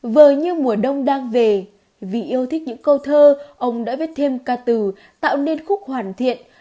vừa như mùa đông đang về vì yêu thích những câu thơ ông đã viết thêm ca từ tạo nên khúc hoàn thiện